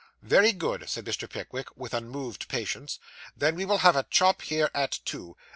'Very good,' said Mr. Pickwick, with unmoved patience. 'Then we will have a chop here, at two.